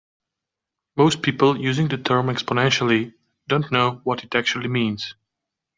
Most people using the term "exponentially" don't know what it actually means.